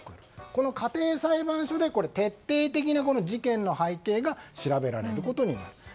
この家庭裁判所で徹底的に事件の背景が調べられることになります。